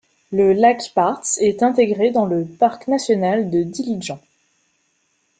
Le lac Parz est intégré dans le parc national de Dilidjan.